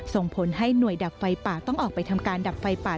ส่งผลให้หน่วยดับไฟป่าต้องออกไปทำการดับไฟป่า